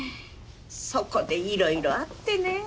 そこでいろいろあってね。